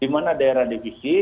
dimana daerah defisit